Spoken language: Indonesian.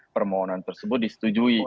permohonan tersebut disetujui